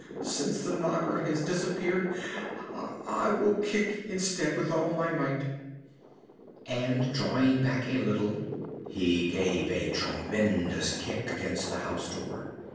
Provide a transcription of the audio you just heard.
"Since the knocker has disappeared, I will kick instead with all my might." And, drawing a little back, he gave a tremendous kick against the house door.